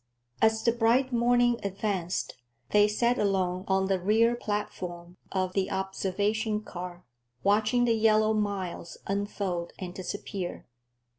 As the bright morning advanced, they sat alone on the rear platform of the observation car, watching the yellow miles unfold and disappear.